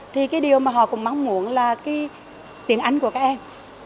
thì điều mà họ cũng mong muốn là tiền ánh của các em